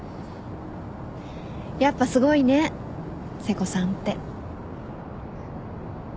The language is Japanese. やっぱすごいね瀬古さんって。